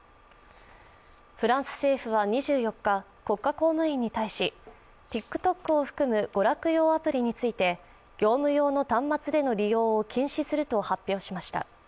フランス政府は２４日、国家公務員に対しＴｉｋＴｏｋを含む娯楽用アプリについて、業務用の端末での利用を禁止すると発表しました。